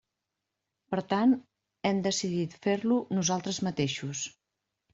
Per tant, hem decidit fer-lo nosaltres mateixos.